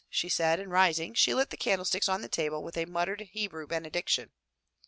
'' she said and, rising, she lit the candlesticks on the table with a muttered Hebrew benediction.